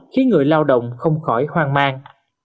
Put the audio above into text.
khiến người lao động không khỏi hoang mang